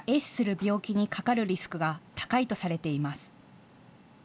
病気にかかるリスクが高いとされています。